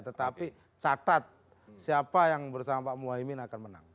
tetapi catat siapa yang bersama pak muhaymin akan menang